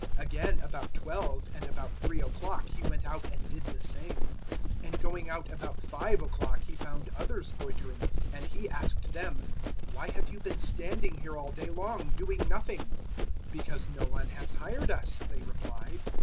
Again about twelve, and about three o'clock, he went out and did the same. 020:006 And going out about five o'clock he found others loitering, and he asked them, "`Why have you been standing here all day long, doing nothing?' 020:007 "`Because no one has hired us,' they replied.